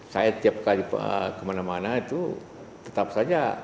saya tiap kali kemana mana itu tetap saja